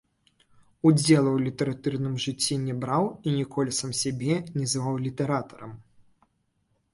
Удзелу ў літаратурным жыцці не браў і ніколі сам сябе не зваў літаратарам.